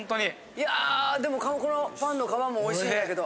いやでもこのパンの皮もおいしいんだけど。